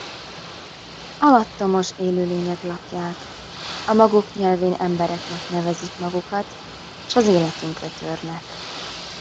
Alattomos élőlények lakják, a maguk nyelvén embereknek nevezik magukat, s az életünkre törnek.